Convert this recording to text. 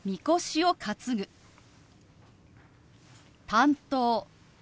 「担当」。